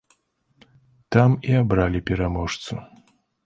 Там і абралі пераможцу.